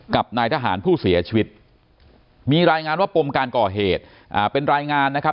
กับนายทหารผู้เสียชีวิตมีรายงานว่าปมการก่อเหตุเป็นรายงานนะครับ